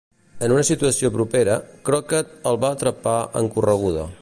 En una situació propera, Crockett el va atrapar en correguda.